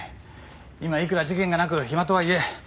今いくら事件がなく暇とはいえ。